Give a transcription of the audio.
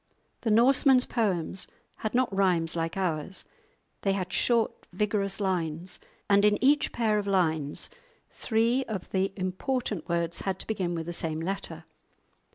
The Norsemen's poems had not rhymes like ours; they had short vigorous lines, and in each pair of lines three of the important words had to begin with the same letter.